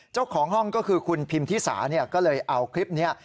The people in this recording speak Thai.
เจ้าของห้องก็คือคุณพิมพิสาก็เลยเอาคลิปนี้